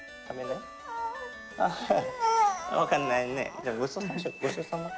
じゃあごちそうさましよう。